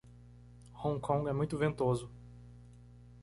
Hong Kong é muito ventoso